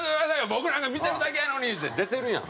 「僕なんか見てるだけやのに」って出てるやん！